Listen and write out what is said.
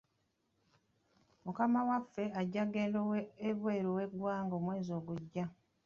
Mukama waffe ajja kugenda ebweru w'eggwanga omwezi ogujja.